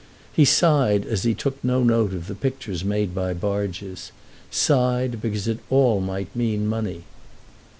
He sighed as he took no note of the pictures made by barges—sighed because it all might mean money.